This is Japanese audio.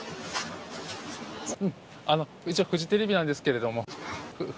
フジテレビなんですけれども。